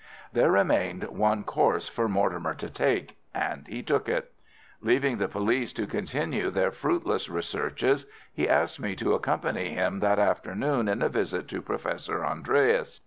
There remained one course for Mortimer to take, and he took it. Leaving the police to continue their fruitless researches, he asked me to accompany him that afternoon in a visit to Professor Andreas.